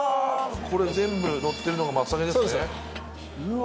これ全部のってるのが松茸ですねうわ